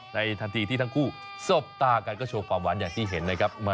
ทันทีที่ทั้งคู่สบตากันก็โชว์ความหวานอย่างที่เห็นนะครับ